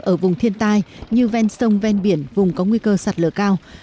ở vùng thiên tai như ven sông ven biển vùng có nguy cơ sạt lở cao